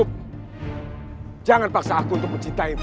hai jangan paksa aku untuk mencintaimu